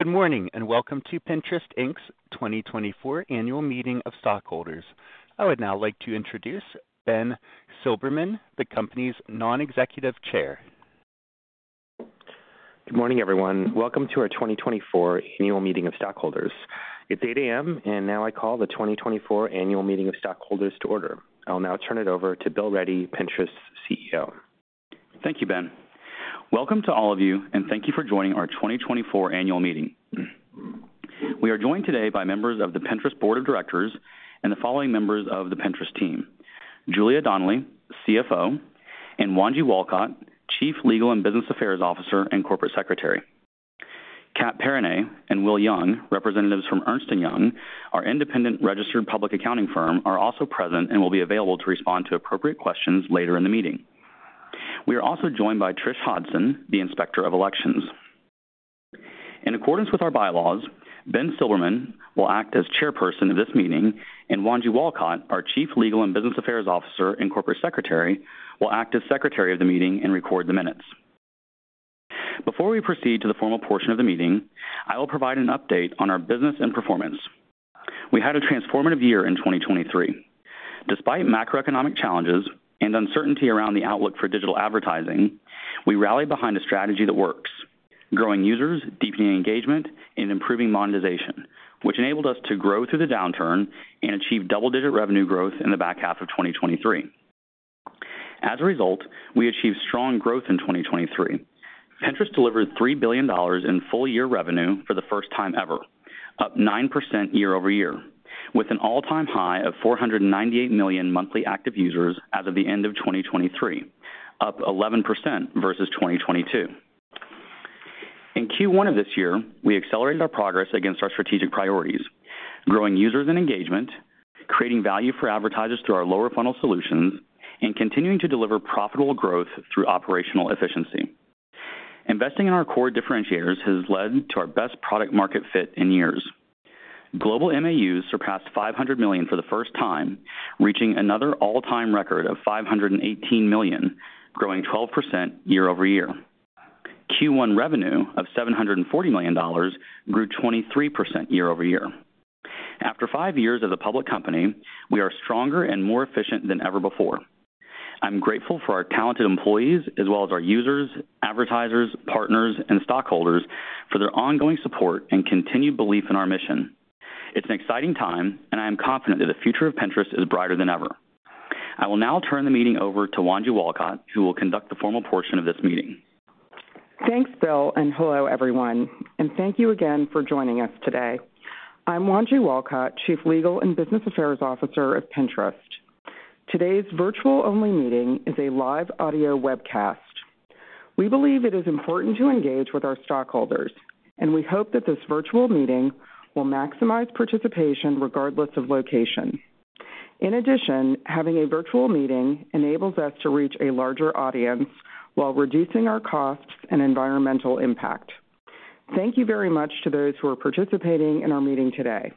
Good morning, and welcome to Pinterest Inc.'s 2024 Annual Meeting of Stockholders. I would now like to introduce Ben Silbermann, the company's Non-Executive Chair. Good morning, everyone. Welcome to our 2024 Annual Meeting of Stockholders. It's 8 A.M., and now I call the 2024 Annual Meeting of Stockholders to order. I'll now turn it over to Bill Ready, Pinterest's CEO. Thank you, Ben. Welcome to all of you, and thank you for joining our 2024 annual meeting. We are joined today by members of the Pinterest Board of Directors and the following members of the Pinterest team: Julia Donnelly, CFO, and Wanji Walcott, Chief Legal and Business Affairs Officer and Corporate Secretary. Kat Perrine and Will Young, representatives from Ernst & Young, our independent registered public accounting firm, are also present and will be available to respond to appropriate questions later in the meeting. We are also joined by Trish Hodson, the Inspector of Elections. In accordance with our bylaws, Ben Silbermann will act as chairperson of this meeting, and Wanji Walcott, our Chief Legal and Business Affairs Officer and Corporate Secretary, will act as Secretary of the meeting and record the minutes. Before we proceed to the formal portion of the meeting, I will provide an update on our business and performance. We had a transformative year in 2023. Despite macroeconomic challenges and uncertainty around the outlook for digital advertising, we rallied behind a strategy that works, growing users, deepening engagement, and improving monetization, which enabled us to grow through the downturn and achieve double-digit revenue growth in the back half of 2023. As a result, we achieved strong growth in 2023. Pinterest delivered $3 billion in full-year revenue for the first time ever, up 9% year-over-year, with an all-time high of 498 million monthly active users as of the end of 2023, up 11% versus 2022. In Q1 of this year, we accelerated our progress against our strategic priorities, growing users and engagement, creating value for advertisers through our lower funnel solutions, and continuing to deliver profitable growth through operational efficiency. Investing in our core differentiators has led to our best product market fit in years. Global MAUs surpassed 500 million for the first time, reaching another all-time record of 518 million, growing 12% year-over-year. Q1 revenue of $740 million grew 23% year-over-year. After five years as a public company, we are stronger and more efficient than ever before. I'm grateful for our talented employees, as well as our users, advertisers, partners, and stockholders for their ongoing support and continued belief in our mission. It's an exciting time, and I am confident that the future of Pinterest is brighter than ever. I will now turn the meeting over to Wanji Walcott, who will conduct the formal portion of this meeting. Thanks, Bill, and hello, everyone. Thank you again for joining us today. I'm Wanji Walcott, Chief Legal and Business Affairs Officer of Pinterest. Today's virtual-only meeting is a live audio webcast. We believe it is important to engage with our stockholders, and we hope that this virtual meeting will maximize participation regardless of location. In addition, having a virtual meeting enables us to reach a larger audience while reducing our costs and environmental impact. Thank you very much to those who are participating in our meeting today.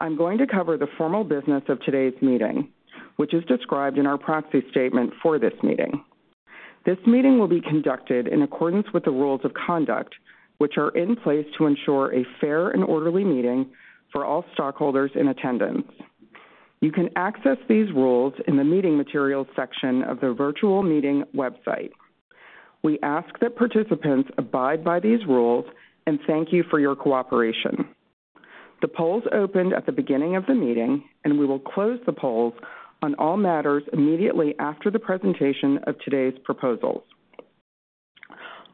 I'm going to cover the formal business of today's meeting, which is described in our proxy statement for this meeting. This meeting will be conducted in accordance with the rules of conduct, which are in place to ensure a fair and orderly meeting for all stockholders in attendance. You can access these rules in the Meeting Materials section of the virtual meeting website. We ask that participants abide by these rules and thank you for your cooperation. The polls opened at the beginning of the meeting, and we will close the polls on all matters immediately after the presentation of today's proposals.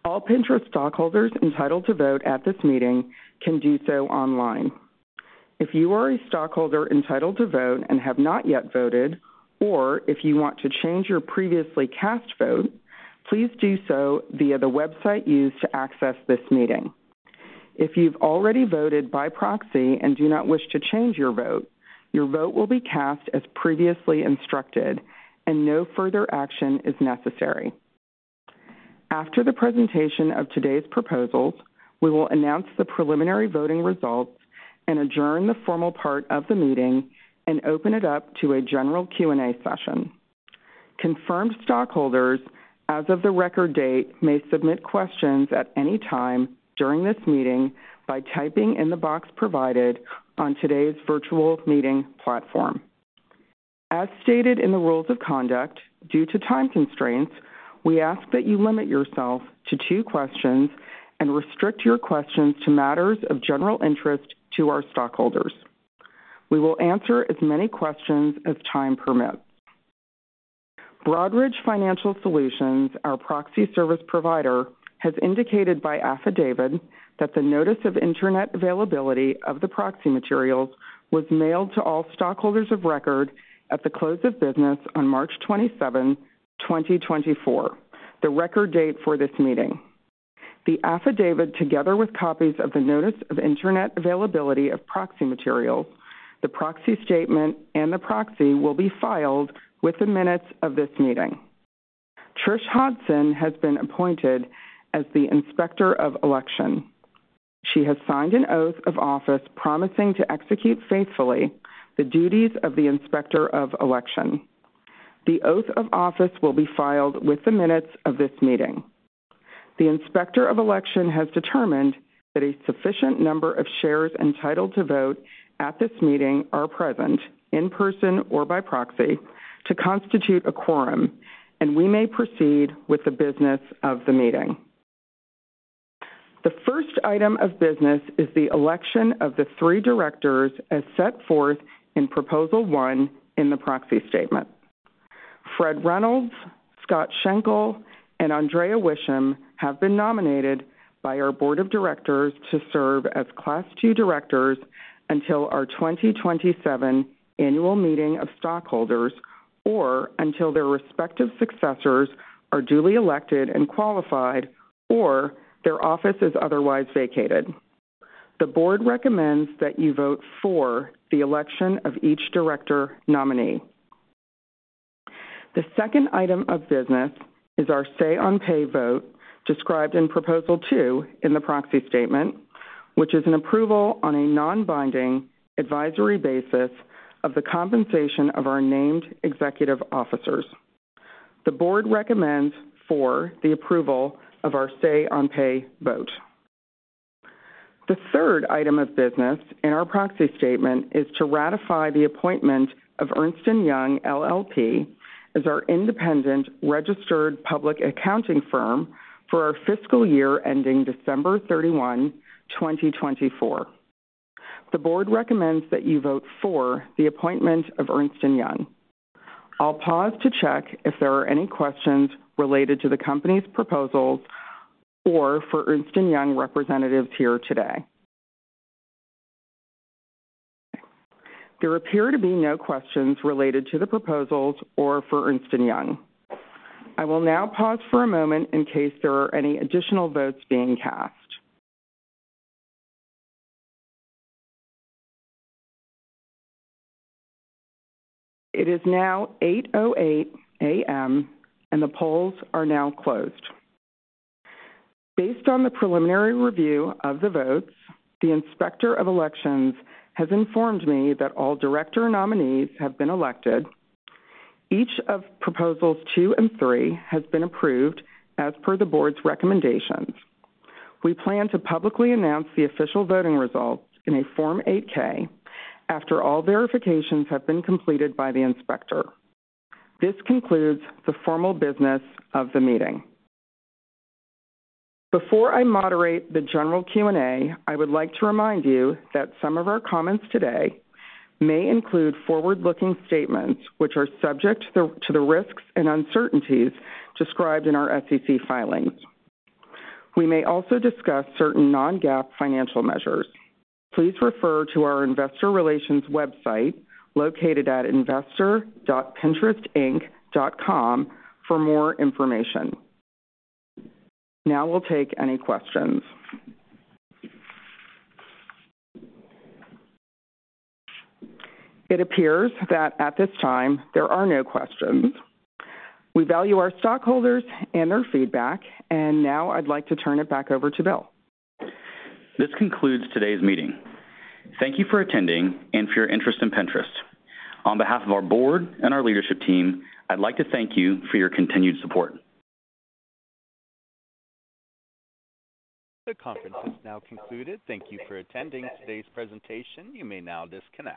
All Pinterest stockholders entitled to vote at this meeting can do so online. If you are a stockholder entitled to vote and have not yet voted, or if you want to change your previously cast vote, please do so via the website used to access this meeting. If you've already voted by proxy and do not wish to change your vote, your vote will be cast as previously instructed and no further action is necessary. After the presentation of today's proposals, we will announce the preliminary voting results and adjourn the formal part of the meeting and open it up to a general Q&A session. Confirmed stockholders, as of the record date, may submit questions at any time during this meeting by typing in the box provided on today's virtual meeting platform. As stated in the rules of conduct, due to time constraints, we ask that you limit yourself to two questions and restrict your questions to matters of general interest to our stockholders. We will answer as many questions as time permits. Broadridge Financial Solutions, our proxy service provider, has indicated by affidavit that the notice of Internet availability of the proxy materials was mailed to all stockholders of record at the close of business on March 27, 2024, the record date for this meeting. The affidavit, together with copies of the notice of Internet availability of proxy materials, the proxy statement, and the proxy will be filed with the minutes of this meeting. Trish Hodson has been appointed as the Inspector of Election. She has signed an oath of office promising to execute faithfully the duties of the Inspector of Election. The oath of office will be filed with the minutes of this meeting. The Inspector of Election has determined that a sufficient number of shares entitled to vote at this meeting are present, in person or by proxy, to constitute a quorum, and we may proceed with the business of the meeting. The first item of business is the election of the three directors as set forth in Proposal One in the proxy statement. Fredric Reynolds, Scott Schenkel, and Andrea Wishom have been nominated by our board of directors to serve as Class II Directors until our 2027 annual meeting of stockholders, or until their respective successors are duly elected and qualified, or their office is otherwise vacated. The board recommends that you vote for the election of each director nominee. The second item of business is our Say on Pay vote, described in Proposal 2 in the proxy statement, which is an approval on a non-binding advisory basis of the compensation of our named executive officers. The board recommends for the approval of our Say on Pay vote. The third item of business in our proxy statement is to ratify the appointment of Ernst & Young LLP as our independent registered public accounting firm for our fiscal year ending December 31, 2024. The board recommends that you vote for the appointment of Ernst & Young. I'll pause to check if there are any questions related to the company's proposals or for Ernst & Young representatives here today. There appear to be no questions related to the proposals or for Ernst & Young. I will now pause for a moment in case there are any additional votes being cast. It is now 8:08 A.M., and the polls are now closed. Based on the preliminary review of the votes, the Inspector of Elections has informed me that all director nominees have been elected. Each of Proposals Two and Three has been approved as per the board's recommendations. We plan to publicly announce the official voting results in a Form 8-K after all verifications have been completed by the inspector. This concludes the formal business of the meeting. Before I moderate the general Q&A, I would like to remind you that some of our comments today may include forward-looking statements, which are subject to the risks and uncertainties described in our SEC filings. We may also discuss certain non-GAAP financial measures. Please refer to our investor relations website, located at investor.pinterest.com, for more information. Now we'll take any questions. It appears that at this time there are no questions. We value our stockholders and their feedback, and now I'd like to turn it back over to Bill. This concludes today's meeting. Thank you for attending and for your interest in Pinterest. On behalf of our board and our leadership team, I'd like to thank you for your continued support. The conference is now concluded. Thank you for attending today's presentation. You may now disconnect.